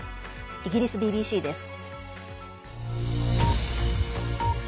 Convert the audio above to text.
イギリスＢＢＣです。